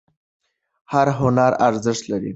هر هنر ارزښت لري.